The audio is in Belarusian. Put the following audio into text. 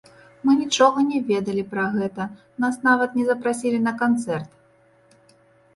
Мы нічога не ведалі пра гэта, нас нават не запрасілі на канцэрт!